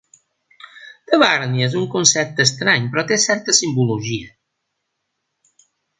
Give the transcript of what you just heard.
Tabàrnia és un concepte estrany però té certa simbologia.